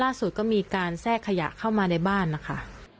ก็มีการแทรกขยะเข้ามาในบ้านนะคะ